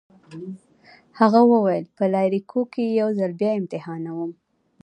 هغه وویل: په لایریکو کي يې یو ځل بیا امتحانوم.